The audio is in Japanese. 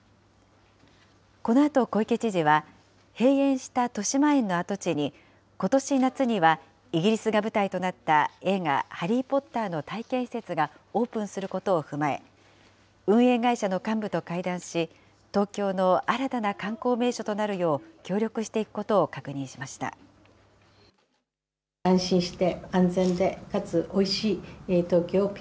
このあと小池知事は、閉園したとしまえんの跡地に、ことし夏にはイギリスが舞台となった映画、ハリー・ポッターの体験施設がオープンすることを踏まえ、運営会社の幹部と会談し、東京の新たな観光名所となるよう、協力していくことを確認しました。